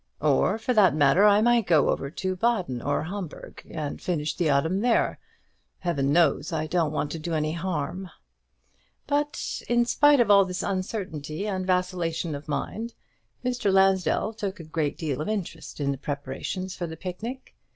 Or, for that matter, I might go over to Baden or Hombourg, and finish the autumn there. Heaven knows I don't want to do any harm." But, in spite of all this uncertainty and vacillation of mind, Mr. Lansdell took a great deal of interest in the preparations for the picnic.